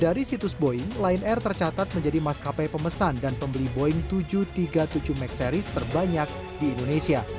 dari situs boeing lion air tercatat menjadi maskapai pemesan dan pembeli boeing tujuh ratus tiga puluh tujuh max series terbanyak di indonesia